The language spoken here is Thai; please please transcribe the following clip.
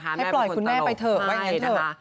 ให้ปล่อยคุณแม่ไปเถอะไว้ให้เถอะใช่นะคะ